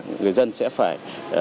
người dân sẽ phải